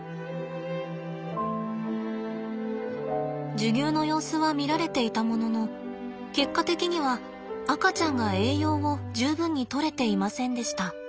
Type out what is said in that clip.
授乳の様子は見られていたものの結果的には赤ちゃんが栄養を十分に取れていませんでした。